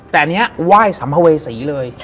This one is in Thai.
แต่อันนี้ไหว้สัมภเวษีเลย